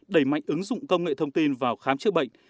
đẩy mạnh ứng dụng công nghệ thông tin vào khám chữa bệnh